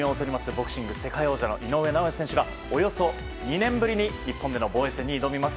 ボクシング世界王者の井上尚弥選手がおよそ２年ぶりに日本での防衛戦に挑みます。